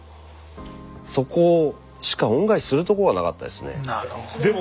そこしか恩返しするとこがなかったですね。